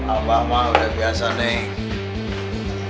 abah mah udah biasa neng